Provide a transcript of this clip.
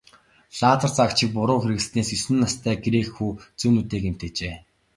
Лазер заагчийг буруу хэрэглэснээс есөн настай грек хүү зүүн нүдээ гэмтээжээ.